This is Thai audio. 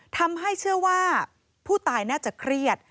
ทำให้เชื่อว่าผู้ตายน่าจะเครียด